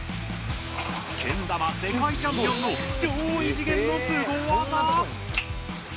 けん玉世界チャンピオンの超異次元のスゴ技！